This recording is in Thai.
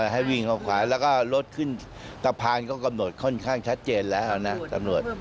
ให้วิ่งเข้าขวาแล้วก็รถขึ้นสะพานก็กำหนดค่อนข้างชัดเจนแล้วนะตำรวจ